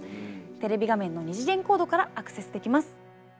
テレビ画面の二次元コードからアクセスできます。